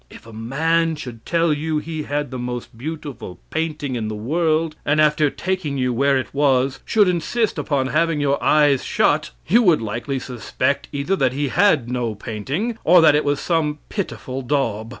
If a man should tell you he had the most beautiful painting in the world, and after taking you where it was should insist upon having your eyes shut, you would likely suspect either that he had no painting or that it was some pitiful daub.